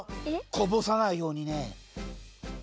こぼさないようにね。